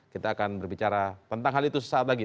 kita akan berbicara tentang hal itu sesaat lagi